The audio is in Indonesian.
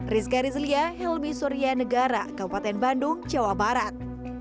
rizka rizlia helmi surya negara kabupaten bandung jawa barat